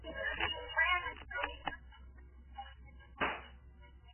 mtaalum wa maswala ya siasa kutoka chuo kikuu cha dodoma nchini tanzania